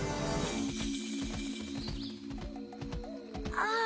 ああ！